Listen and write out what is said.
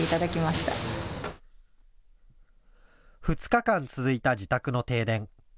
２日間、続いた自宅の停電。